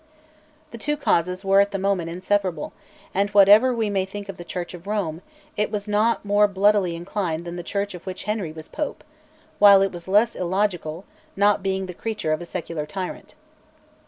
The two causes were at the moment inseparable, and, whatever we may think of the Church of Rome, it was not more bloodily inclined than the Church of which Henry was Pope, while it was less illogical, not being the creature of a secular tyrant.